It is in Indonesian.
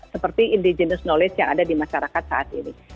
seperti indigenous knowledge yang ada di masyarakat saat ini